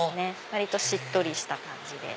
割としっとりした感じで。